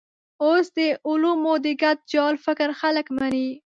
اوس د علومو د ګډ جال فکر خلک مني.